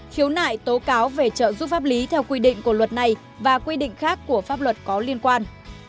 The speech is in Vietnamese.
khiếu nại tố cáo về trợ giúp pháp lý theo quy định của luật này và quy định khác của pháp luật có liên quan